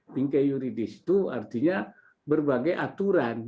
bingkai yuridis itu artinya berbagai aturan